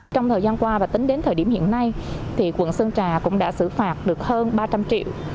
trong thời gian qua và tính đến thời điểm hiện nay quận sơn trà cũng đã xử phạt được hơn ba trăm linh triệu